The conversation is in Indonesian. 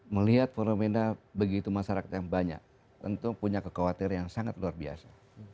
melihat fenomena begitu masyarakat yang banyak tentu punya kekhawatiran yang sangat luar biasa